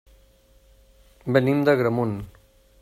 Venim d'Agramunt.